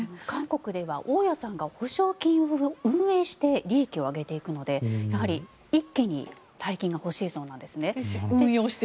韓国では大家さんが保証金を運営して利益を上げていくので一気に大金が欲しいそうなんですね。